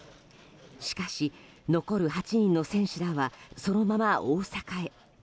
しかし、残る８人の選手らはそのまま大阪へ。